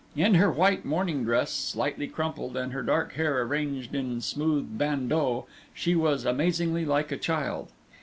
In her white morning dress, slightly crumpled, and her dark hair arranged in smooth bandeaux, she was amazingly like a child.